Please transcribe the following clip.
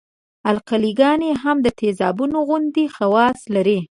القلي ګانې هم د تیزابونو غوندې خواص لري.